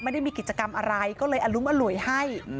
ไม่ได้มีกิจกรรมอะไรก็เลยอรุ้งอร่วยให้